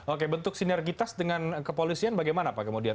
oke bentuk sinergitas dengan kepolisian bagaimana pak kemudian